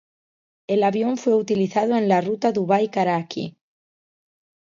El avión fue utilizado en la ruta Dubai-Karachi.